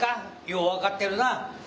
よう分かってるな？